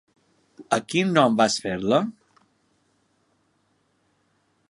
A quin nom vas fer-la?